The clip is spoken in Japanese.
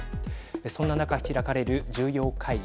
そんな中、開かれる重要会議。